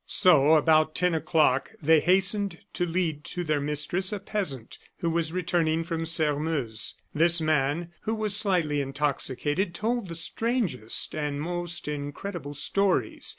So, about ten o'clock, they hastened to lead to their mistress a peasant who was returning from Sairmeuse. This man, who was slightly intoxicated, told the strangest and most incredible stories.